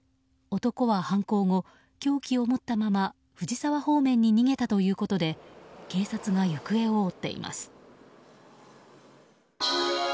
男は犯行後、凶器を持ったまま藤沢方面に逃げたということで警察が行方を追っています。